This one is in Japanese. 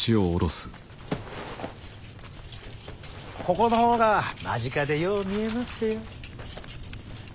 ここの方が間近でよう見えますでよ。